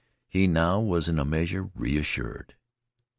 He now was in a measure reassured.